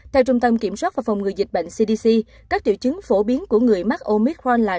theo trung tâm kiểm soát và phòng ngừa dịch bệnh cdc các triệu chứng phổ biến của người mắc oic forne